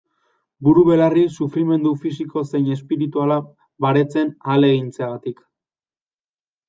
Buru belarri sufrimendu fisiko zein espirituala baretzen ahalegintzeagatik.